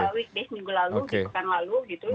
di weekday minggu lalu minggu lalu gitu